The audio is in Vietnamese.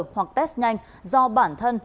hoặc test nhanh do bản thân